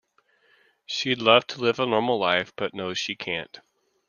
She'd love to live a normal life, but knows she can't.